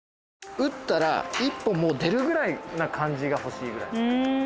打ったら１歩出るくらいな感じが欲しいくらい。